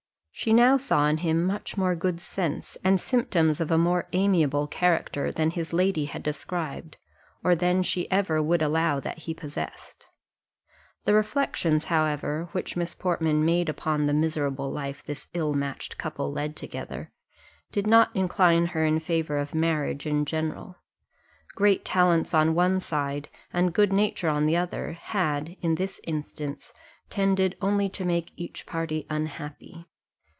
She now saw in him much more good sense, and symptoms of a more amiable character, than his lady had described, or than she ever would allow that he possessed. The reflections, however, which Miss Portman made upon the miserable life this ill matched couple led together, did not incline her in favour of marriage in general; great talents on one side, and good nature on the other, had, in this instance, tended only to make each party unhappy.